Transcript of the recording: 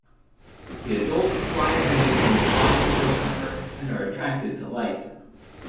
The adults fly at night from July to September and are attracted to light.